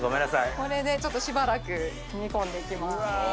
これでちょっとしばらく煮込んでいきます。